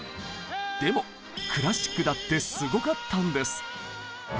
でもクラシックだってすごかったんです！